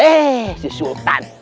eh si sultan